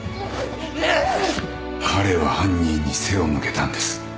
彼は犯人に背を向けたんです